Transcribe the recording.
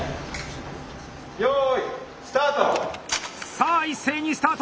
さあ一斉にスタート！